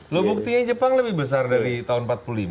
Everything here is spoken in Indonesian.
lo buktinya jepang lebih besar dari tahun empat puluh lima